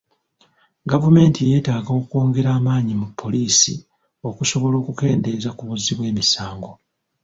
Gavumenti yeetaaga okwongera amaanyi mu poliisi okusobola okukendeeza ku buzzi bw'emisango.